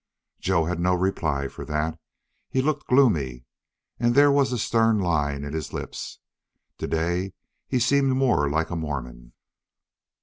Joe had no reply for that. He looked gloomy, and there was a stern line in his lips. To day he seemed more like a Mormon.